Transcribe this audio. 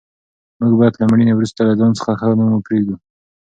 موږ باید له مړینې وروسته له ځان څخه ښه نوم پرېږدو.